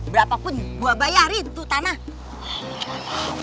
berapa pun gue bayarin tuh tanah